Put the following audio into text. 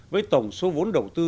với tổng số vốn đầu tư